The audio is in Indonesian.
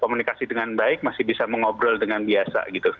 komunikasi dengan baik masih bisa mengobrol dengan biasa gitu